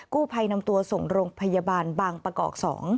กู้ภัยนำตัวส่งโรงพยาบาลบางประกอบ๒